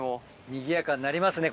にぎやかになりますね